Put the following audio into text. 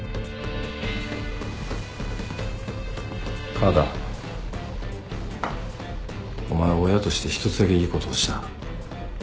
河田お前は親として１つだけいいことをした。